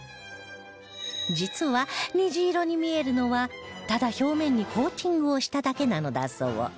実は虹色に見えるのはただ表面にコーティングをしただけなのだそう